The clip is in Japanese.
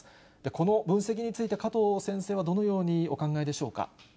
この分析について、加藤先生はどのようにお考えでしょうか。